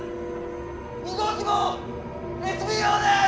２号機もＳＢＯです！